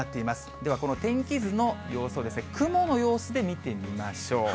では、この天気図の様子を雲の様子で見てみましょう。